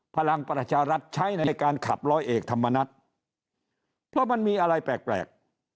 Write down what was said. พลังประชารัฐใช้ในการขับร้อยเอกธรรมนัฐเพราะมันมีอะไรแปลก